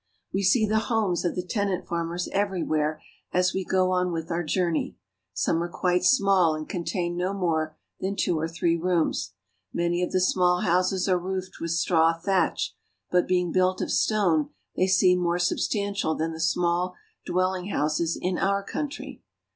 We see the homes of the tenant farmers everywhere as we go on with our journey. Some are quite small and contain no more than two or three rooms. Many of the small houses are roofed with straw, thatch, but being built of stone they seem more substantial than the small dwelling houses in our country.